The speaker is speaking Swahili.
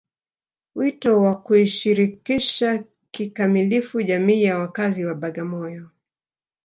Wito wa kuishirikisha kikamilifu jamii ya wakazi wa Bagamoyo